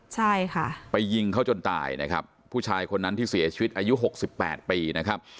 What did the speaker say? ใช่ค่ะไปยิงเขาจนตายนะครับผู้ชายคนนั้นที่เสียชีวิตอายุหกสิบแปดปีนะครับ